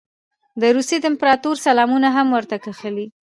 د روسیې د امپراطور سلامونه هم ورته کښلي.